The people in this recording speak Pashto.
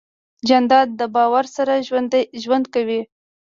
جانداد د باور سره ژوند کوي.